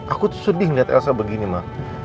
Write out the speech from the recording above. aku tuh sedih liat elsa begini ma